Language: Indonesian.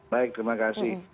baik terima kasih